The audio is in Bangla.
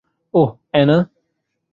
ওহ, অ্যানা।